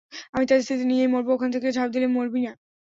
আমি তাদের স্মৃতি নিয়েই মরবো, ওখান থেকে ঝাঁপ দিলে মরবি না।